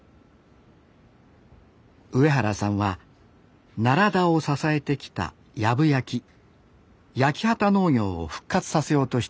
上原さんは奈良田を支えてきた「やぶ焼き」焼き畑農業を復活させようとしています